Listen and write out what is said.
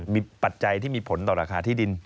มีปัจจัยที่มีผลต่อราคาที่ดิน